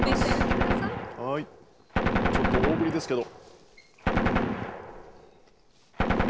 ちょっと大ぶりですけど。